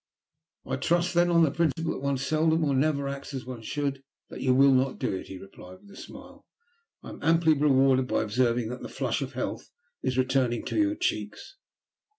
"I trust then, on the principle that one seldom or never acts as one should, that you will not do it," he replied, with a smile. "I am amply rewarded by observing that the flush of health is returning to your cheeks."